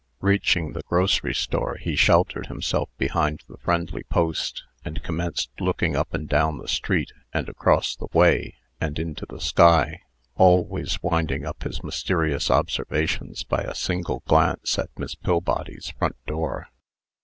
Reaching the grocery store, he sheltered himself behind the friendly post, and commenced looking up and down the street, and across the way, and into the sky, always winding up his mysterious observations by a single glance at Miss Pillbody's front door.